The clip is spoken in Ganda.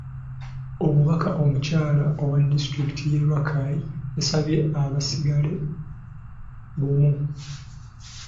Omubaka omukyala owa disitulikiti y’e Rakai yabasabye basigale bumu.